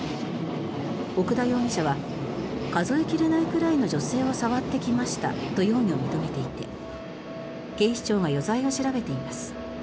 奥田容疑者は数え切れないくらいの女性を触ってきましたと容疑を認めていて警視庁が余罪を調べています。